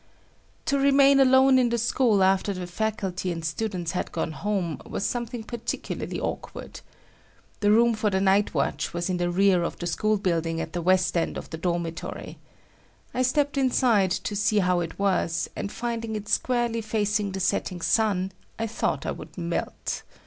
To remain alone in the school after the faculty and students had gone home, was something particularly awkward. The room for the night watch was in the rear of the school building at the west end of the dormitory. I stepped inside to see how it was, and finding it squarely facing the setting sun, I thought I would melt.